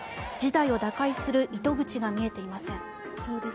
事態を打開する糸口が見えていません。